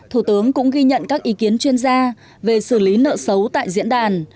thủ tướng cũng ghi nhận các ý kiến chuyên gia về xử lý nợ xấu tại diễn đàn